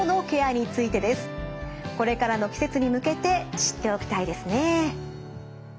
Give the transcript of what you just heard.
これからの季節に向けて知っておきたいですね。